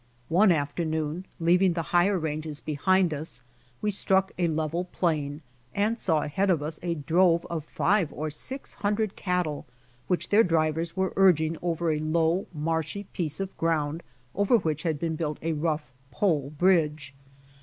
One afternoon, leaving the higher ranges behind us, we struck a level plain, and saw ahead of us a drove of five or six hundred cattle which their drivers were urging over a low, marshy piece of ground over which had been built a rough pole bridge.